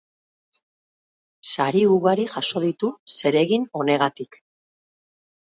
Sari ugari jaso ditu zeregin honegatik.